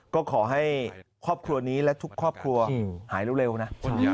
ก็ขอให้ครอบครัวนี้และทุกครอบครัวหายเร็วนะ